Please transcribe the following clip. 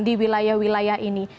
di wilayah wilayah ini